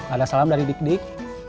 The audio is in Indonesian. ada salam dari dik dik